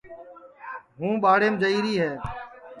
ہوں ٻاڑیم جائیری ہے